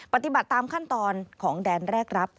ปฏิบัติตามขั้นตอนของแดนแรกรับ